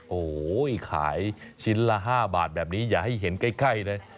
โอ้โหขายชิ้นละ๕บาทแบบนี้อย่าให้เห็นใกล้เลย